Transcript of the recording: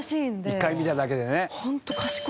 １回見ただけでね。